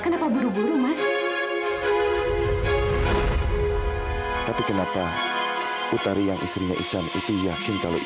sampai jumpa di video selanjutnya